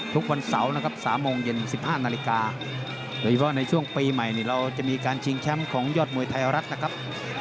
ทุกวันเสาร์นะครับ๓โมงเย็น๑๕นาฬิกาโดยเฉพาะในช่วงปีใหม่นี่เราจะมีการชิงแชมป์ของยอดมวยไทยรัฐนะครับ